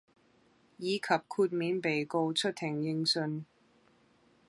以及豁免被告出庭應訊